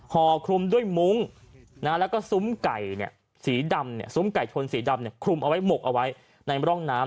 ห่อคลุมด้วยมุ้งแล้วก็ซุ้มไก่สีดำซุ้มไก่ชนสีดำคลุมเอาไว้หมกเอาไว้ในร่องน้ำ